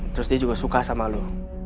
terus dia juga suka sama lo